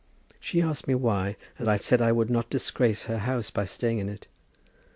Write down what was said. She asked me why, and I said I would not disgrace her house by staying in it.